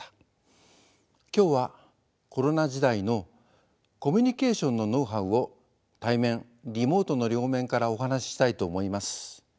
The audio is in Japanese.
今日はコロナ時代のコミュニケーションのノウハウを対面リモートの両面からお話ししたいと思います。